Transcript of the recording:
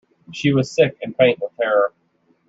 She was sick and faint with terror.